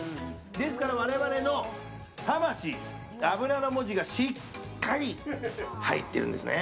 ですから我々の魂、脂の文字がしっかり入ってるんですね！